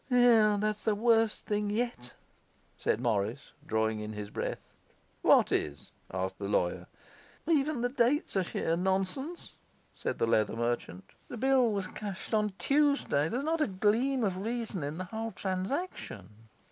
'Yes, that's the worst thing yet,' said Morris, drawing in his breath. 'What is?' asked the lawyer. 'Even the dates are sheer nonsense,' said the leather merchant. 'The bill was cashed on Tuesday. There's not a gleam of reason in the whole transaction.